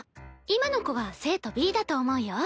今の子が生徒Ｂだと思うよ。